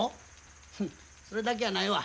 それだけやないわ。